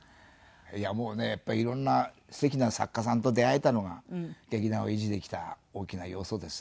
いやもうねやっぱりいろんな素敵な作家さんと出会えたのが劇団を維持できた大きな要素ですね。